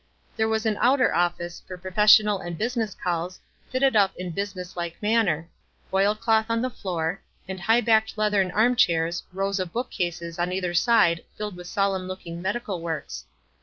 There was an outer office for professional awl business calls, fitted up in business like winner — oil cloth on the floor, and higb bac*. leathern arm chairs, lows of book cases oi\ either side filled with solemn looking medical vorks.